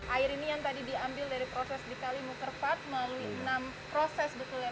air ini yang tadi diambil dari proses di kale bukervar